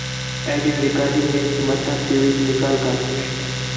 آڈیو ریکارڈینگیک متن تے وِچ نقل کر